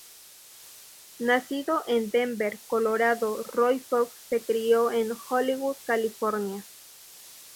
Nacido en Denver, Colorado, Roy Fox se crio en Hollywood, California.